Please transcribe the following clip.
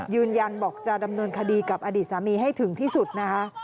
ยืนยันบอกจะดำเนินคดีกับอดีตสามีให้ถึงที่สุดนะคะ